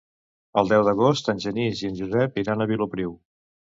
El deu d'agost en Genís i en Josep iran a Vilopriu.